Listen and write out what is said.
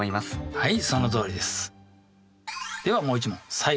はい。